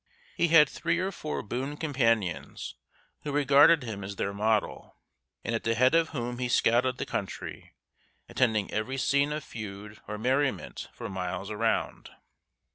He had three or four boon companions who regarded him as their model, and at the head of whom he scoured the country, attending every scene of feud or merriment for miles around.